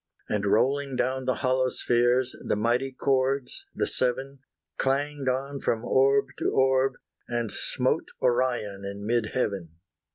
And rolling down the hollow spheres, The mighty chords, the seven, Clanged on from orb to orb, and smote Orion in mid heaven.